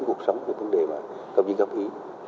cuộc sống về vấn đề mà không chỉ gặp ý